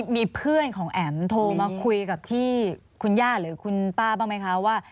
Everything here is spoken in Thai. มีเพื่อนของแอ๋มโทรมาคุยกับที่คุณย่าหรือคุณป้าบ้างไหมคะว่า